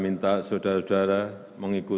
nusa dan bangsa